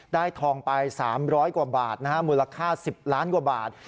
ทองไป๓๐๐กว่าบาทนะฮะมูลค่า๑๐ล้านกว่าบาท